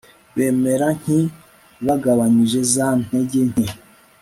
bimera nki bigabanyije za ntege nke